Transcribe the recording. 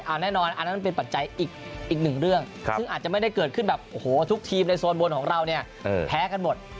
แน่นอนอันนั้นมันเป็นปัจจัยอีกหนึ่งเรื่องซึ่งอาจจะไม่ได้เกิดขึ้นแบบโอ้โหทุกทีมในโซนบนของเราเนี่ยแพ้กันหมด